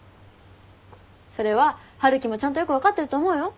それは春樹もちゃんとよく分かってると思うよ。